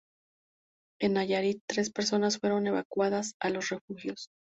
En Nayarit, tres personas fueron evacuadas a los refugios.